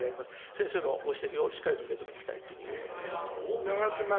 先生のご指摘をしっかりと受け止めていきたいというふうに思いま